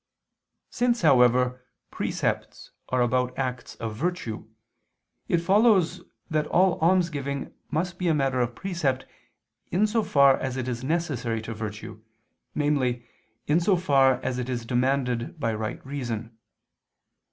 Since, however, precepts are about acts of virtue, it follows that all almsgiving must be a matter of precept, in so far as it is necessary to virtue, namely, in so far as it is demanded by right reason.